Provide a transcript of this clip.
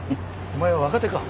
お前は若手か！